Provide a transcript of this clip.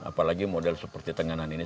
apalagi model seperti tenganan ini